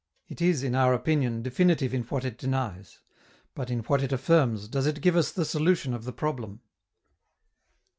It is, in our opinion, definitive in what it denies. But, in what it affirms, does it give us the solution of the problem?